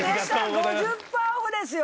５０％オフですよ！